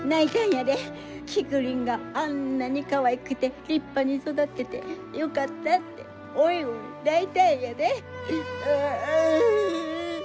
キクリンがあんなにかわいくて立派に育っててよかったっておいおい泣いたんやでえ！